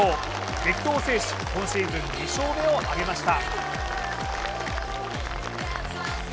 激闘を制し今シーズン２勝目を挙げました。